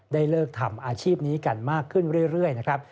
ได้เลิกทำอาชีพนี้กันมากขึ้นเรื่อยนะครับ